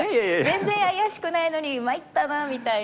全然怪しくないのに「参ったな」みたいな。